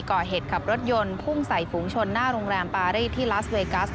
ก่อเหตุขับรถยนต์พุ่งใส่ฝูงชนหน้าโรงแรมปารีสที่ลาสเวกัส